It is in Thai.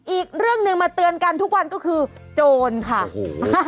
อีกเรื่องหนึ่งมาเตือนกันทุกวันก็คือโจรค่ะโอ้โห